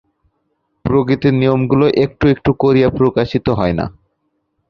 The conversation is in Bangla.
প্রকৃতির নিয়মগুলি একটু একটু করিয়া প্রকাশিত হয় না।